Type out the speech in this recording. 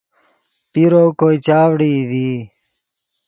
پیرو کوئے چاڤڑئی ڤی